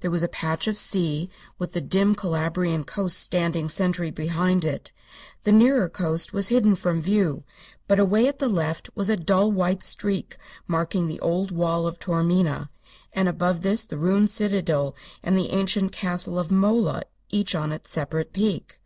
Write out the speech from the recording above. There was a patch of sea, with the dim Calabrian coast standing sentry behind it. The nearer coast was hidden from view, but away at the left was a dull white streak marking the old wall of Taormina, and above this the ruined citadel and the ancient castle of Mola each on its separate peak.